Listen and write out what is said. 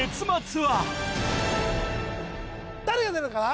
誰が出るかな？